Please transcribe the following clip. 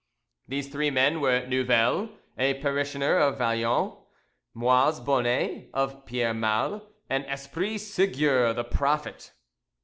These three men were Nouvel, a parishioner of Vialon, Moise Bonnet of Pierre Male, and Esprit Seguier the prophet.